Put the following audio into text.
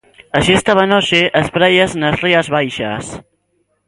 Así estaban hoxe as praias nas Rías Baixas.